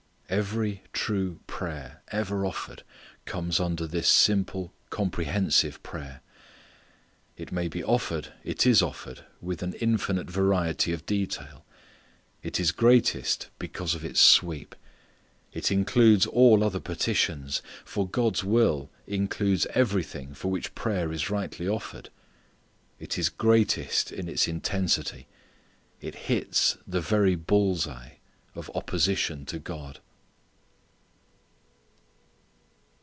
Every true prayer ever offered comes under this simple comprehensive prayer. It may be offered, it is offered with an infinite variety of detail. It is greatest because of its sweep. It includes all other petitions, for God's will includes everything for which prayer is rightly offered. It is greatest in its intensity. It hits the very bull's eye of opposition to God.